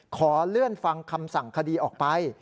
ขอเลื่อนฟังคำสั่งคดีออกไป